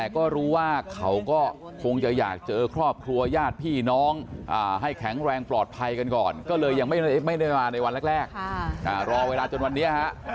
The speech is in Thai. ก็เลยยังไม่ได้มาในวันแรกรอเวลาจนวันนี้